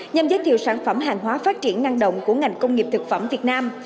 nhằm giới thiệu sản phẩm hàng hóa phát triển năng động của ngành công nghiệp thực phẩm việt nam